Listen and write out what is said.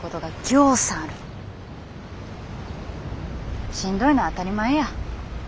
しんどいのは当たり前や。